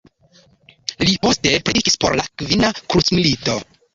Li poste predikis por la Kvina krucmilito.